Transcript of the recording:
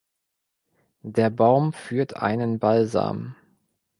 Der Baum führt einen Balsam.